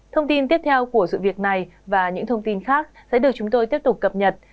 thông tin tiếp theo của sự việc này và những thông tin khác sẽ được chúng tôi tiếp tục cập nhật